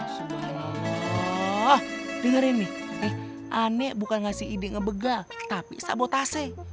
wah dengerin nih aneh bukan ngasih ide ngebegal tapi sabotase